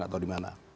tidak tahu di mana